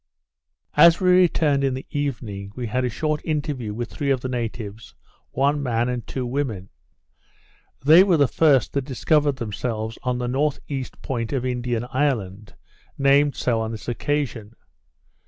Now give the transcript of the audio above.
As we returned in the evening, we had a short interview with three of the natives, one man and two women. They were the first that discovered themselves on the N.E. point of Indian Island, named so on this occasion.